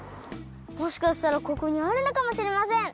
もしかしたらここにあるのかもしれません！